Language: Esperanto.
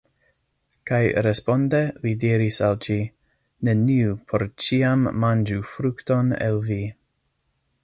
Kaj responde li diris al ĝi: Neniu por ĉiam manĝu frukton el vi.